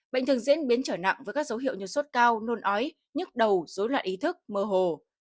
bệnh thường diễn biến trở nặng với các dấu hiệu như sốt cao nôn ói nhức đầu dối loạn ý thức mơ hồ